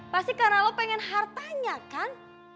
pasti karena lo pengen hartanya kan